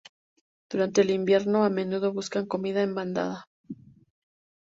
Durante el invierno, a menudo buscan comida en bandada.